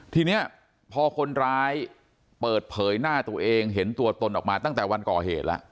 ทีนี้พอคนร้ายเปิดเผยหน้าตัวเองเห็นตัวตนออกมาตั้งแต่วันก่อเหตุแล้ว